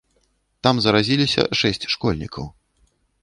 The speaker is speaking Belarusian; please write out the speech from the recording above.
Там заразіліся шэсць школьнікаў.